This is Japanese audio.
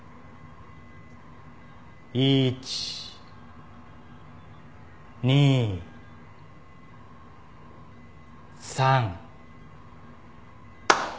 １２３。